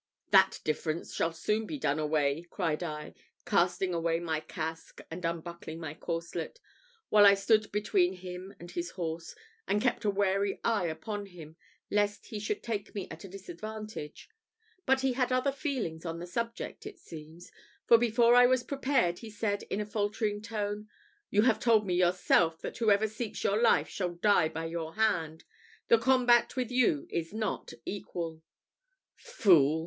"That difference shall soon be done away," cried I, casting away my casque, and unbuckling my corslet, while I stood between him and his horse, and kept a wary eye upon him lest he should take me at a disadvantage; but he had other feelings on the subject, it seems, for before I was prepared, he said, in a faltering tone, "You have told me yourself, that whoever seeks your life shall die by your hand. The combat with you is not equal." "Fool!"